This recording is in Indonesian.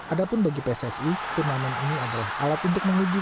adapun bagi pssi turnamen ini adalah alat untuk menguji